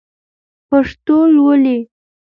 پښتو لولئ!